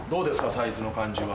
サイズの感じは。